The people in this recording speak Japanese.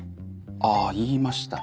あぁ言いましたね。